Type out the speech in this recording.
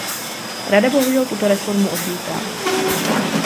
Rada bohužel tuto reformu odmítá.